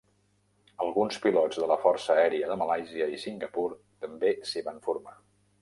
Alguns pilots de la Força Aèria de Malàisia i Singapur també s'hi van formar.